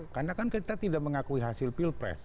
karena kan kita tidak mengakui hasil pilpres